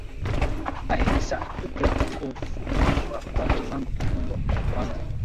Ahıska Turkler Kufukuzwa kwa kiwango kikubwa kwa kwanza